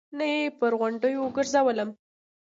نه يې پر غونډيو ګرځولم.